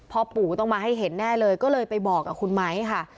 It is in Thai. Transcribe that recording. พ่อปู่ต้องมาให้เห็นแน่เลยก็เลยไปบอกกับคุณไม้ค่ะ